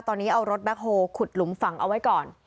ตอนนี้เอารถแบ็คโฮลขุดหลุมฝังเอาไว้ก่อน